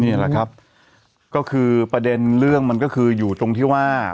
นี่แหละครับก็คือประเด็นเรื่องมันก็คืออยู่ตรงที่ว่า